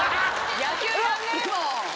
野球やんねえもん。